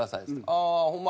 ああホンマ？